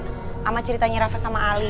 sama ceritanya rafa sama ali